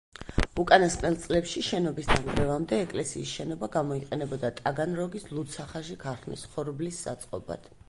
უკანასკნელ წლებში, შენობის დანგრევამდე, ეკლესიის შენობა გამოიყენებოდა ტაგანროგის ლუდსახარში ქარხნის ხორბლის საწყობად.